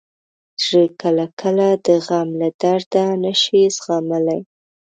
زړه کله کله د غم له درده نه شي زغملی.